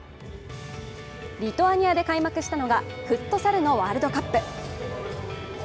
リトアニアで開幕したのがフットサルのワールドカップ。